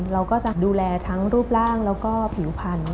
เราก็จะดูแลทั้งรูปร่างแล้วก็ผิวพันธุ